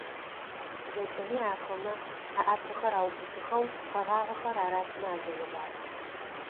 ЗэкӀэми ахэмэ аӏапэхэр аубытыхэу, къэгъагъэхэр аратымэ ашӀоигъуагъ.